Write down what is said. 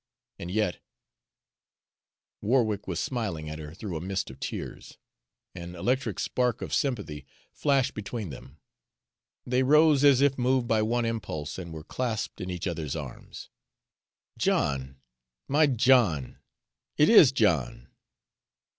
and yet Warwick was smiling at her through a mist of tears. An electric spark of sympathy flashed between them. They rose as if moved by one impulse, and were clasped in each other's arms. "John, my John! It IS John!"